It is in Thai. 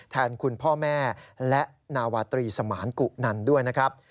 แทนคุณพ่อแม่และนาวาตรีสมานกุนันด้วยนะครับ